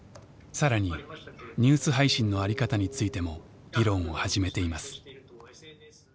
更にニュース配信の在り方についても議論を始めています。